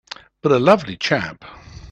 But a lovely chap!